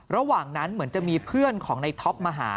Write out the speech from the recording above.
ระหว่างนั้นเหมือนจะมีเพื่อนของในท็อปมาหา